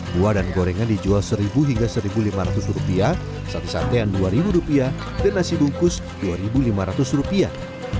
buah dan gorengan dijual seribu hingga seribu lima ratus rupiah satu satean dua rupiah dan nasi bungkus dua lima ratus rupiah